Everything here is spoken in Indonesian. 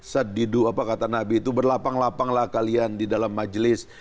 saddidu apa kata nabi itu berlapang lapang lah kalian di dalam majlis